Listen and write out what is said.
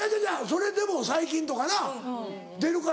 それでも細菌とかな出るから。